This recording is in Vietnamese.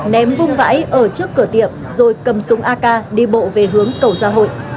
ném vung vãi ở trước cửa tiệm rồi cầm súng ak đi bộ về hướng cầu xã hội